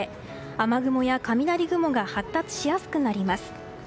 雨雲や雷雲が発達しやすくなります。